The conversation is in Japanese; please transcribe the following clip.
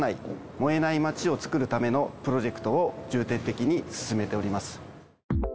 燃えない街をつくるためのプロジェクトを重点的に進めております。